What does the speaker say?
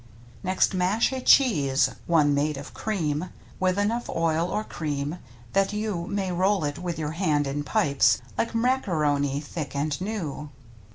Next mash a cheese — one made of cream — With enough oil, or cream, that you May roll it with your hand in pipes Like macaroni thick and new.